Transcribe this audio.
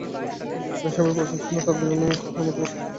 কিন্তু ক্যাপ্টেন সাহেবের প্রস্তাব শুনে তার ভিরমি খাওয়ার মতো অবস্থা হলো।